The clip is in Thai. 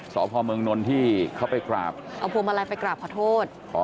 สพเมืองนนท์ที่เขาไปกราบเอาพวงมาลัยไปกราบขอโทษ